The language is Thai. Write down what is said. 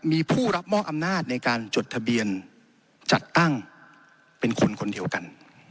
มีผู้รับมอบอำนาจในการจดทะเบียนจัดตั้งเป็นคนคนเดียวกัน